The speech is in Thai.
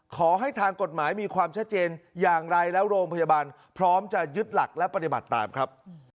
ขอให้ทางกฎหมายมีความชัดเจนอย่างไรแล้วโรงพยาบาลพร้อมจะยึดหลักและปฏิบัติตามครับ